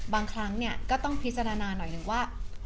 บางครั้งเนี่ยก็ต้องพิจารณาหน่อยหนึ่งว่า